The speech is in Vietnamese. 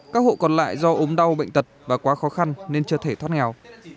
các hộ còn lại do ốm đau bệnh tật và quá khó khăn nên chưa thể thoát nghèo